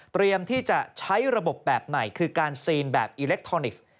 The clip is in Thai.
ที่จะใช้ระบบแบบไหนคือการซีนแบบอิเล็กทรอนิกส์